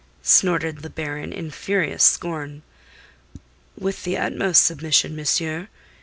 snorted the Baron in furious scorn. "With the utmost submission, monsieur.